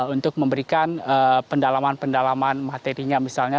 untuk memberikan pendalaman pendalaman materinya misalnya